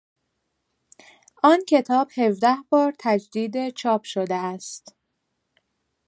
آن کتاب هفده بار تجدید چاپ شده است.